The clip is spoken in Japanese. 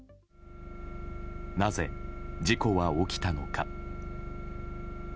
なぜ事故は起きたのか。